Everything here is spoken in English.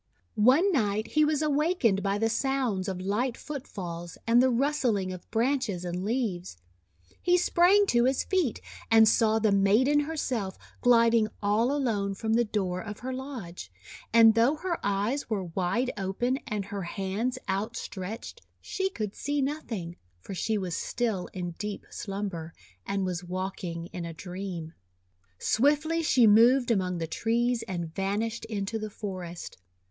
One night he was awakened by the sounds of light footfalls and the rustling of branches and leaves. He sprang to his feet, and saw the maiden herself gliding all alone from the door of her lodge. And though her eyes were wide open and her hands outstretched, she could see noth ing, for she was still in deep slumber, and was walking in a dream. Swiftly she moved among the trees and van ished into the forest.